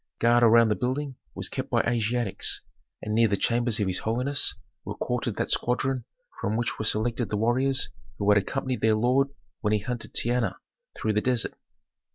Guard around the building was kept by Asiatics, and near the chambers of his holiness was quartered that squadron from which were selected the warriors who had accompanied their lord when he hunted Tehenna through the desert.